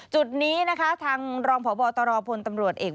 จุดนี้นะคะทางรองพบตรพลตำรวจเอก